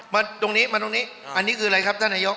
มาตรงนี้มาตรงนี้อันนี้คืออะไรครับท่านนายก